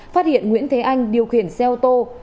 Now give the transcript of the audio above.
phát hiện nguyễn thế anh điều khiển xe ô tô